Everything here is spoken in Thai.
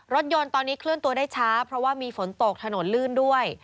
รถยนต์ตอนนี้เคลื่อนตัวได้ช้าเพราะว่ามีฝนตกถนนลื่นด้วย